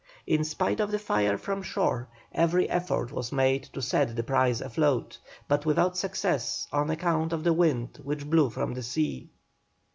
In spite of the fire from shore every effort was made to set the prize afloat, but without success on account of the wind which blew from the sea.